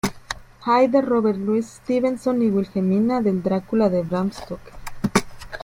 Hyde de Robert Louis Stevenson y Wilhelmina del Drácula de Bram Stocker.